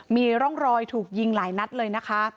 มีร่องรอยถูกยิงหลายนัดเลยนะคะ